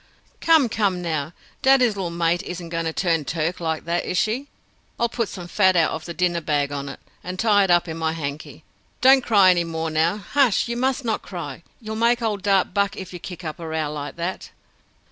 "Come, come, now. Daddy's little mate isn't going to turn Turk like that, is she? I'll put some fat out of the dinner bag on it, and tie it up in my hanky. Don't cry any more now. Hush, you must not cry! You'll make old Dart buck if you kick up a row like that."